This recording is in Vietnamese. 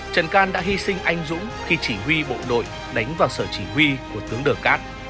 trần can đã hy sinh anh dũng khi chỉ huy bộ đội đánh vào sở chỉ huy của tướng đờ cát